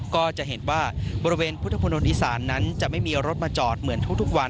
ก็จะเห็นว่าบริเวณพุทธมนตร์อีสานนั้นจะไม่มีรถมาจอดเหมือนทุกวัน